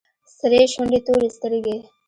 سرې شونډې تورې سترگې.